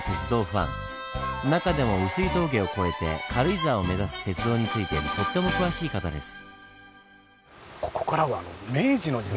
中でも碓氷峠を越えて軽井沢を目指す鉄道についてとっても詳しい方です。